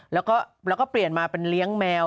แล้วก็เปลี่ยนมาเป็นเลี้ยงแมว